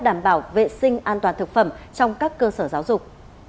đảm bảo vệ sinh an toàn thực phẩm trong các cơ sở giáo dục